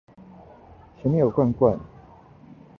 前面有罐罐！